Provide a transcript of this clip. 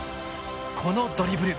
このドリブル。